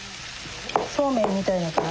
そうめんみたいだから？